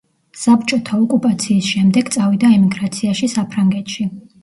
საბჭოთა ოკუპაციის შემდეგ, წავიდა ემიგრაციაში საფრანგეთში.